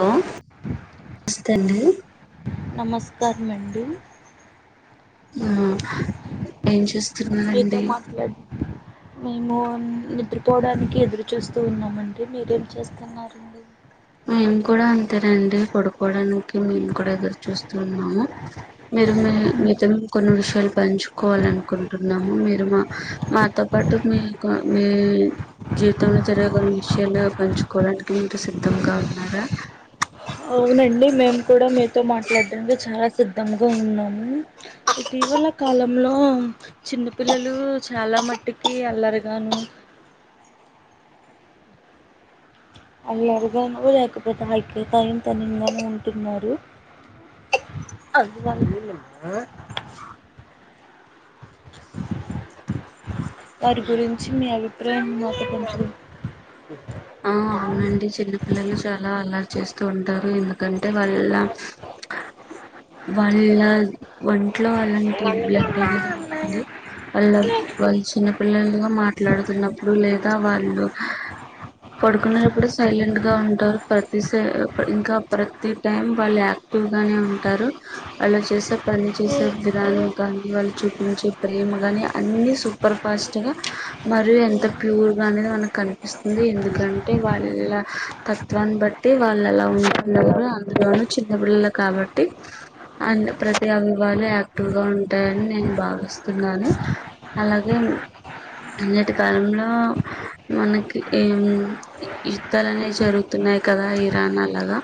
Hello నమస్త అండి నమస్కారం అండి ఆ ఏం మీతో చేస్తున్నరాండి మాట్లాడి మేము నిద్రపోవడానికి ఎదురు చూస్తూ ఉన్నామండి మీరేం చేస్తున్నారండి మేం కూడా అంతేనండి పడుకోవడానికి మేము కూడా ఎదురు చూస్తా మీరు మీ మితను కొన్ని విషయాలు పంచుకోవాల అనుకుంటున్నాము మీరు మా మాతో పాటు మీ మీ జీవితంలో జరిగే కొన్ని విషయాలు పంచుకోవడానికి మీకు సిద్ధంగా అద అవునండి మేము కూడా మీతో మాట్లాడడానికి చాలా సిద్ధంగా ఉన్నాము ఇటీవల కాలంలో చిన్నపిల్లలు చాలా మట్టికి అల్లరుగాను అల్లరుగాను లేకపోతే ఐక్య తాయి తనింగా ఉంటున్నారు వారి గురించి మీ అభిప్రాయం మకించు అవునండి చిన్న పిల్లలు చాలా అల్లాారు చేస్తూ ఉంటారు ఇందు అంటే వాళ్ళ వాళ్ళ ఒంట్లో అలాంటి బ్లడ్ అనేది ఉంటుంది వాళ్ళ వాళ్ళు చిన్నపిల్లలుగా మాట్లాడుతున్నప్పుడు లేదా వాళ్ళు పడుకున్నప్పుడు సైలెంట్ గా ఉంటారు ప్రతి ఇంకా ప్రతి టైం వాళ్ళు యాక్టివ్ గానే ఉంటారు వాళ్ళు చేసే పంచిస గ్రాన్ కార్నివల్ చూపించే ప్రేమ గాని అన్ని సూపర్ ఫాస్ట్ గా మరియు ఎంత ప్యూర్ గా అనేది మనకు కనిపిస్తుంది ఎందుకు ఎకంటే వాళ్ళ తత్వాన్ని బట్టి వాళ్ళు ఎలా ఉంటున్నారు అందులోనూ చిన్నపిిల్లలు కాబట్టి అ ప్రతి అవి వాళ యాక్టివ్గా ఉంటాయని నేను భావిస్తున్నాను అలాగే అన్నిటి కాలంలో మనకి యుద్ధాలు అనేవి జరుగుతున్నాయి కదా ఇరాన్ అలాగా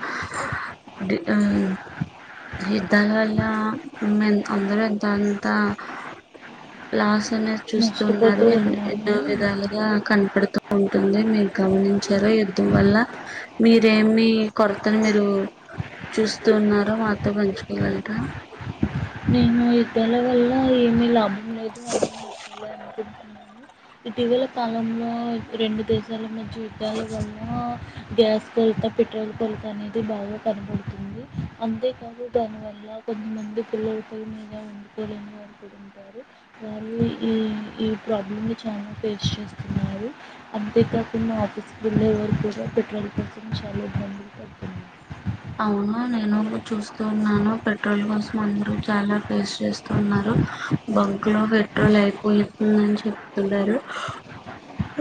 యుద్ధాల వల్ల అందరు ఎంతో అంత లాస్ అనే నష్టపోతూ చూస్తున్నారు ఎ ఉన్నాము ఎన్నో విధాలు కనపడుతూ ఉంటుంది మీ గమనించారా యుద్ధం వల్ల మీరేమి కొరతని మీరు చూస్తూ ఉన్నారో మాతో పంచుకోగలరా నేను యుద్ధాల వల్ల ఏమి లాభ నేనైతే అన్నీ నష్టాలే అనుకుంటున్నాను ఇటీవల కాలంలో రెండు దేశాల మధ్య యుద్ధాల వల్ల గ్యాస్ కొరత పెట్రోల్ కొరత అనేది బాగా కనబడుతుంది అంతేకాదు దాని వల్ల కొంతమంది పిల్లలు మీద వండుకోలేని వాళ్ళు కూడా ఉంటారు వాళ్ళు ఈ ఈ ప్రాబ్లంని చాలా ఫేస్ చేస్తున్నారు అంతేకాకుండా ఆఫీస్కి వెళ్ళేవారు కూడా పెట్రోల్ కోసం చాలా ఇబ్బందులు పడుతున్నారు అవును నేను కూడ చూస్ స్తున్నాను పెట్రోల్ కోసం అందరు చాలా ఫేస్ చేస్తున్నారు బంక్లో పెట్రోల్ అయి పోతుందని చెప్తున్నారు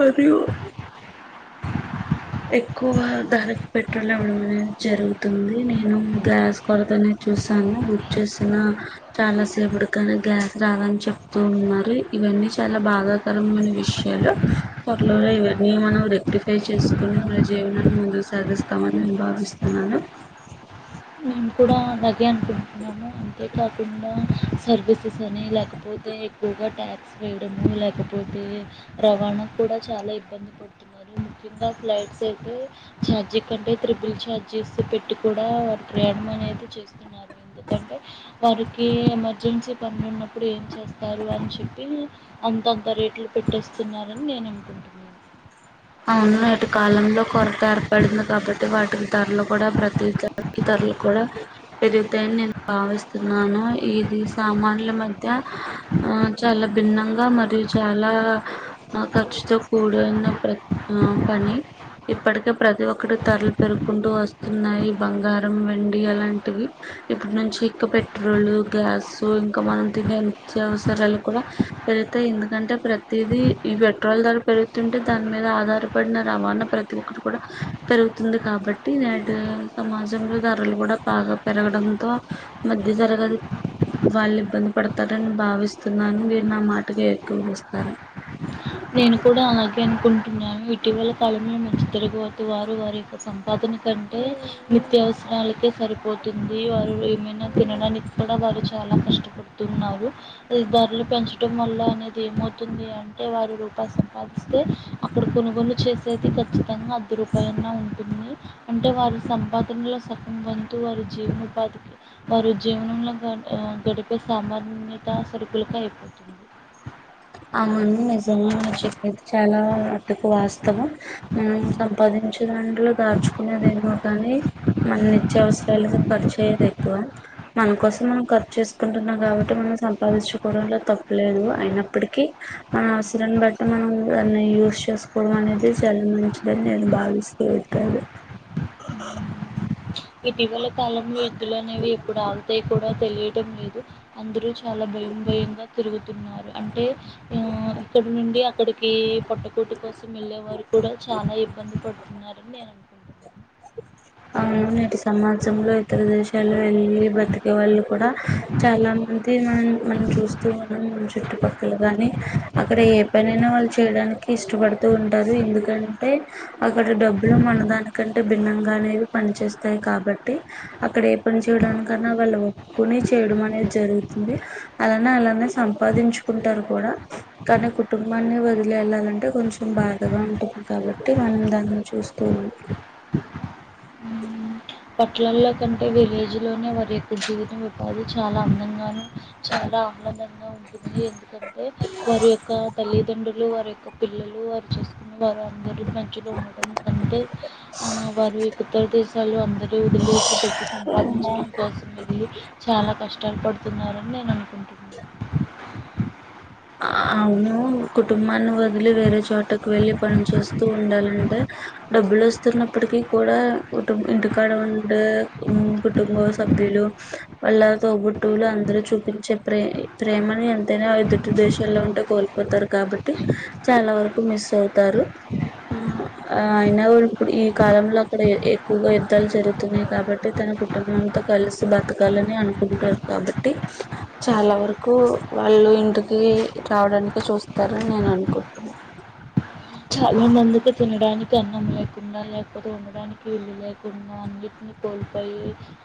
మరియు ఎక్కువ ధరకి పెట్రోల్ ఇవ్వడం అనేది జరుగుతుంది నేను గ్యాస్ కొరతనే చూసాను బుక్ చేసిన చాలా సేపటికానీ గ్యాస్ రాదని చెప్తూ ఉన్నారు ఇవన్నీ చాలా బాధాకరమైన విషయాలు త్వరలోనే ఇవన్నీ మనం రెక్టిఫై చేసు కొని మన జీవనాన్ని ముందుకు సాగిస్తామని నేను భావిస్తున్నాను నేను కూడా అంతే అనుకుంటున్నాను అంతే కాకుండా సర్వీసెస్ అని లేకపోతే ఎక్కువగా ట్యాక్స్ వేయడము లేకపోతే రవాణా కూడా చాలా ఇబ్బంది పడుతున్నారు ముఖ్యంగా ఫ్లైట్స్ అయితే ఛార్జీ కంటే త్రిబుల్ ఛార్జెస్ పెట్టి కూడా ప్రయాణం అనేది చేస్తున్నారు ఎందుకంటే వారికి ఎమర్జెన్సీ పనులు ఉన్నప్పుడు ఏం చేస్తారు అని చెప్పి అంతంత రేట్లు పెట్టేస్తున్నారని నేను అనుకుంటున్నాను అవును నేటి కాలంలో కొరత ఏర్పడింది కాబట్టి వాటికి ధరలు కూడా ప్రతిదానికి ధరలు కూడా పెరుగుతాయని నేను భావిస్తున్నాను ఇది సామాన్యుల మధ్య ధ్య ఆ చాలా భిన్నంగా మరియు చాలా ఖర్చుతో కూడిన ప్ర ఆ పనీ ఇప్పటికే ప్రతి ఒక్కటి ధరలు పెరుగుకుంటూ వస్తున్నాయి బంగారం వెండి అలాంటివి ఇప్పటినుంచి ఇంకా పెట్రోల్ గ్యాస్ ఇంకా మనం తినే నిత్యవసరాలు కూడా పెరుగుతాయి ఎందుకంటే ప్రతిది ఈ పెట్రోల్ ధర పెరుగుతుంటే దాని మీద ఆధారపడిన రవాణా ప్రతి ఒక్కటి కూడా పెరుగుతుంది కాబట్టి నేడు సమాజంలో ధరలు కూడా బాగా పెరగడంతో మధ్య తరగతి వాళ్ళు ఇబ్బంది పడతారని భావిస్తున్నాను. మీరు నా మాటకు ఏకీభవిస్తారా? నేను కూడా అలాగే అనుకుంటున్నాను ఇటీవల కాలంలో మధ్య తరగతి వారు వారియొక్క సంపాదన కంటే నిత్యవసరాలకే సరిపోతుంది వారు ఏమైనా తినడానికి కూడా వారు చాలా కష్టపడుతున్నారు అది ధరలు పెంచడం వల్ల అనేది ఏమవుతుంది అంటే వారు రూపాయి సంపాదిస్తే అక్కడ కొనుగోలు చేసేది ఖచ్చితంగా అర్ధరూపాయన్న ఉంటుంది అంటే వారి సంపాదనలో సగం వంతు వారి జీవనోపాధికి వారు జీవనంలో గడిపే సామాన్యత సరుకులకే అయిపోతుంది అవును నిజంగా నువ్వు చెప్పేది చాలా మట్టుకు వాస్తవం మనం సంపాదించే దాంట్లో దాచుకునేదేమో కాని మన నిత్యవసరాలకే ఖర్చు అయ్యేది ఎక్కువ మన కోసం మనం ఖర్చు చేసుకుంటున్నాం కాబట్టి మనం సంపాదించుకోవడంలో తప్పులేదు అయినా ఇప్పటికి మన అవసరాన్ని బట్టి మనం దాన్ని యూజ్ చేసుకోవడం అనేది చాలా మంచిదని నేను భావిస్తూఉన్నాను ఇటీవల కాలంలో యుద్ధాలు అనేవి ఎప్పుడు ఆగుతాయో కూడా తెలియడం లేదు అందరూ చాలా భయం భయంగా తిరుగుతున్నారు అంటే ఆ ఇక్కడ నుండి అ ఇప్పటికి పొట్టకూటి కోసం వెళ్ళేవారు కూడా చాలా ఇబ్బంది పడుతున్నారని నేను అను అవును సమాజంలో ఇతర దేశాల్లో వెళ్ళి బతికే వాళ్ళు కూడా చాలా మంది మనం మనం చూస్తూ ఉన్నాం చుట్టుపక్కల గాని అక్కడ ఏ పనైనా వాళ్ళు చేయడానికి ఇష్టపడుతూ ఉంటారు ఎందుకంటే అక్కడ డబ్బులు మనదానికంటే భిన్నంగా అనేవి పని చేస్తాయి కాబట్టి అక్కడ ఏ పని చేయడానికన్నా వాళ్ళు ఒప్పుకుని చేయడం అనేది జరుగుతుంది అలానే అలానే సంపాదించుకుంటారు కూడా కానీ కుటుంబాన్ని వదిలేళ్ళాలంటే కొంచెం బాధగా ఉంటుంది కాబట్టి మనం దాన్ని చూస్తూ ఉం పట్టణాల్లో కంటే విలేజ్ లోనే వారియొక్క జీవితం ఉపాధి చాలా అందంగాను చాలా ఉన్నదని ఉంటుంది ఎందుకంటే వారి యొక్క తల్లిదండ్రులు వారి యొక్క పిల్లలు వారు చూసుకున్న వారు అందరు మంచిగా ఉండడం కంటే ఆ వారు ఇతర ప్రదేశాలలో వదిలేసి డబ్బు సంపాదించడం కోసం ఇది చాలా కష్టాలు పడి చెప్తున్నారని నేను అనుకుంటున్నాను అవును కుటుంబాన్ని వదిలి వేరే చోటకు వెళ్లి పని చేేస్తూ ఉండాలంటే డబ్బులు వస్తున్నప్పటికీ కూడా కుటుం ఇంటికాడ ఉండే కుటుంబ సభ్యులు వాళ్ళ తోబుట్టువులు అందరు చూపించే ప్రే ప్రేమని ఎంతైనా ఎదు దేశల్లో ఉంటే కోల్పోతారు కాబట్టి చాలా వరకు మిస్ అవుతారు ఆ అయినా వా ఇప్పుడు ఈ కాలంలో అక్కడ ఎక్కువగా యుద్ధాలు జరుగుతున్నాయి కాబట్టి తన కుటుంబంతో కలిసి బతకాలని అనుకుంటారు కాబట్టి చాలా వరకు వాళ్ళు ఇంటి కి రావడానినికి చూస్తారని నేను అనుకుంటున్నాను చాలా మందికి తినడానికి కన్నం లేకుండా లేకపోతే ఉండడానికి ఇల్లు లేకుండా అన్నింటిని కోల్పోయి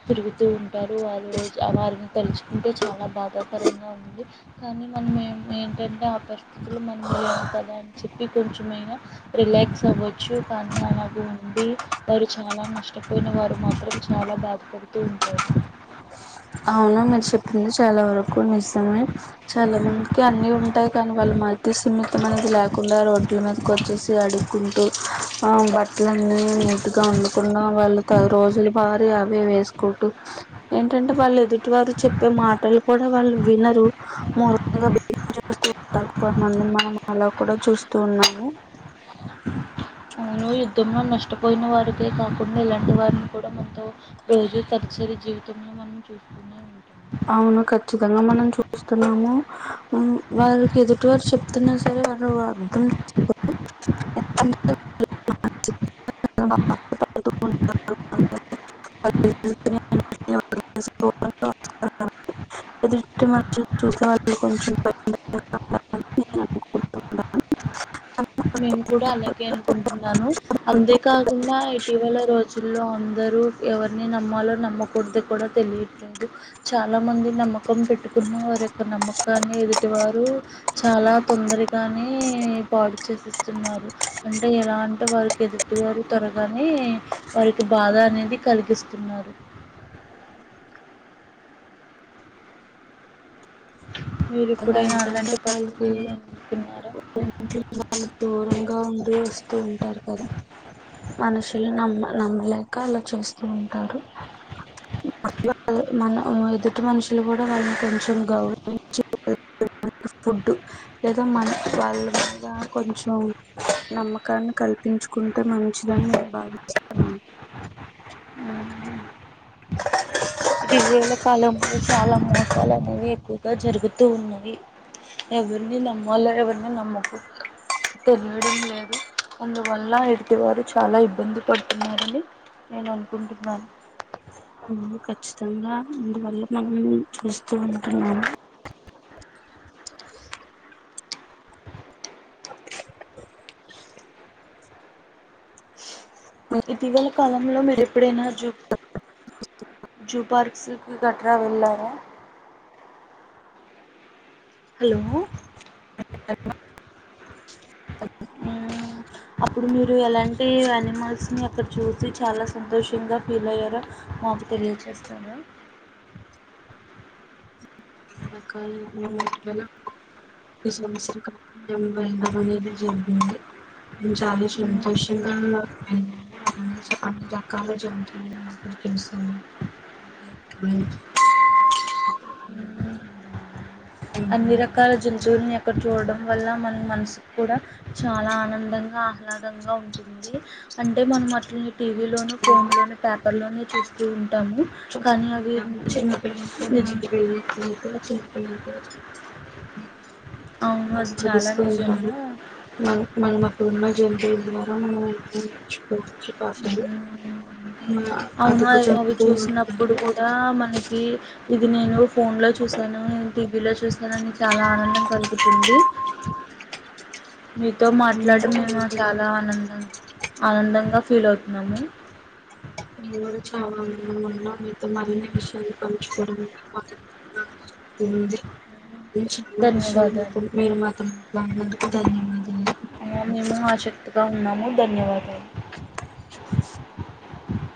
తిరుగుతూ ఉంటారు వారుజు వారిని తలుచుకుంటే చాలా బాధాకరంగా ఉంది కానీ మనం ఏం ఏంటంటే ఆ పరిస్థితులు మనము ఏము కదా అని చెప్పి కొంచెం రిలాక్స్ అవ్వచ్చు కానీ అలాగ ఉండి వారు చాలా నష్టపోయిన వారు మాత్రం చాలా బాధపడుతూ ఉంటారు అవునా మీరు చెప్పింది చాలా వరకు నిజం చాలా మందికి అన్ని ఉంటాయి కానీ వాళ్ళు మతిస్థిమితం అనేది లేకుండా రోడ్ల మీదకి వచ్చేసి అడుకుంటూ ఆ బట్టలన్నీ నీట్గా వండకుండా వాళ్ళు త రోజుల భారీ అవే వేసుకుంటూ ఏంటంటే వాళ్ళు ఎదుటి వారు చెప్పే మాటలు కూడా వాళ్ళు వినరు మగా బి చేస్తూ ఉంటారు కొంతమంది మనం అలా కూడా చూస్తూ ఉన్నాము అవును యుద్ధంలో నష్టపోయిన వారికే కాకుండా ఇలాంటి వారిని కూడా మంత రోజు తరచరి జీవితంలో మనం చూస్తూనే ఉంటాం అవును ఖచ్చితంగా మనం చూస్తున్నాము వారికి ఎదుటి వారు చెప్తున్నా సరే వారు అర్థం [inaudible] ఎదుటి మనిషిని చూసుకోవాలి కొంచం అకు మేము కూడా అలాగే అనుకుంటున్నాను అంతే కాకుండా ఇటీవల రోజుల్లో అందరూ ఎవరిని నమ్మాలో నమ్మకూడదు కూడా తెలియట్లేదు చాలా మంది నమ్మకం పెట్టుకున్న వారి యొక్క నమ్మకాన్ని ఎదుటివారు చాలా తొందరగానే పాడు చేస్తున్నారు అంటే ఎలా అంటే వారికి ఎదుటి వారు త్వరగానే వారికి బాధ అనేది కలిగిస్తున్నారు మీరు మొత్తంగా ఎప్పుడైనా ఎందుకంటే అలాంటి వాళ్ళకి పరిస్థితులను ఎదుర్కొన్నారా వాళ్ళు దూరంగా ఉండి వస్తూ ఉంటారు కదా మనుషులు నమ్మ నమ్మలే అలా చేస్తూ ఉంటారు మన ఎదుటి మనుషులు కూడా వాళ్ళని కొంచెం గౌరవ ఫుడ్ లేదా మన వాళ్ళ మీద కొంచెం నమ్మకాన్ని కల్పించుకుంటే మంచిదని నేను భావిస్తున్నాను ఇదివేల కాలం చాలా మోసాలనేవి జరుగుతూ ఉన్నది ఎవరిని నమ్మలో ఎవరిని నమ్మకు తెలియడం లేదు అందువల్ల ఇటివారు చాలా ఇబ్బంది పడుతున్నారని నేను అనుకుంటున్నాను వు ఖచ్చితంగా అందువల్ల మనం చూస్తూ ఉంటున్నాము ఇటీవల కాలంలో మీరు ఎప్పుడైనా జూ జూ పార్క్స్కి గట్రా వెళ్ళారా హలో అప్పుడు మీరు ఎలాంటి యానిమల్స్ని అక్కడ చూసి చాలా సంతోషంగా ఫీల్ అయ్యారో మాకు తెలియజేస్తార చాలా రకాల ఒక సంసర బలం అనేది జరిగింది నేను చాలా మ్మ్ సంతోషంగా నా అ అన్ని రకాల జంతువులని మనం ప్రేమిస్తున్నాం లైక్ మ్మ్ అ అన్ని రకాల జంతువుల్ని ఎక్కడ చూడడం వల్ల మన మనసు కూడా చాలా ఆనందంగా ఆహ్లాదంగా ఉంటుంది అంటే మనం అట్ టీవీలోనుూ ఫోన్ లోను పేపర్ లోనే చు చుస్తు చూస్తూ ఉంటాము చిన్నపిల్లలకి మన నిజం వెళ్ళినట్లయితే చి వెళ్ళిపో అవును అది చాలా ఆస్వాదిస్తూ ఉంటాను నిజంగా మన మన ఇప్పుడున్న జనరేషన్ ద్వారా మనం ఎన్నో నేర్చుకోవచ్చు అసలు అవునా అవి చూసినప్పుడు ఉంటాయి కూడా మనకి ఇది నీను ఫోన్లో చూశాను టీవీలో చూశానని చాలా ఆనందం కలుగుతుంది మీతో మాట్లాడి మేము చాలా ఆనందం ఆనందంగా ఫీల్ అవుతున్నాము [unintelligible] చాలాలన్నాన్నా మీతో మరిన్ని విషయాన్ని పలుంచుకోవడానికి మాకెంతో ఆసక్తి ఉంది చాలా విషయాలు ధన్యవాదాలు మీరు మాతో మాట్లాడినందుకు ధన్యవాదాలు అలా మేము ఆసక్తిగా ఉన్నాము ధన్యవాదాలు